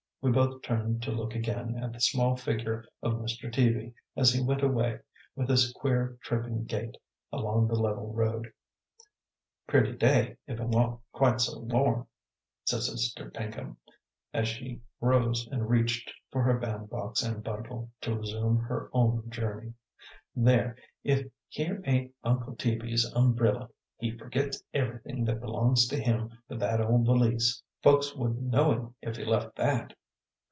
We both turned to look again at the small figure of Mr. Teaby, as he went away, with his queer, tripping gait, along the level road. "Pretty day, if 't wa'n't quite so warm," said Sister Pinkham, as she rose and reached for her bandbox and bundle, to resume her own journey. "There, if here ain't Uncle Teaby's umbrilla! He forgits everything that belongs to him but that old valise. Folks wouldn't know him if he left that.